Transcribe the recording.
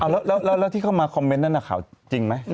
แล้วที่เข้ามาคอมเมนต์นั้นข่าวจริงไหม